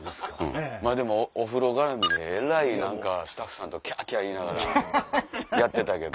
でもお風呂絡みでスタッフさんとキャキャ言いながらやってたけど。